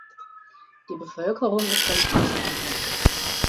Die Bevölkerung ist religiös einheitlich.